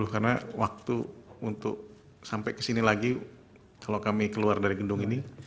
karena waktu untuk sampai ke sini lagi kalau kami keluar dari gendung ini